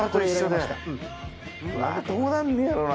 うわっどうなんねやろな？